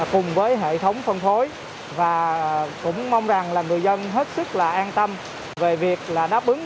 cùng với hệ thống phân phối và cũng mong rằng là người dân hết sức là an tâm về việc là đáp ứng